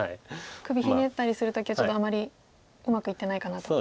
首ひねったりする時はちょっとあまりうまくいってないかなという。